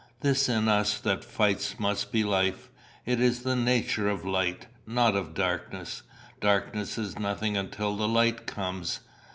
This in us that fights must be life. It is of the nature of light, not of darkness; darkness is nothing until the light comes.